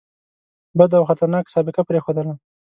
بده او خطرناکه سابقه پرېښودله.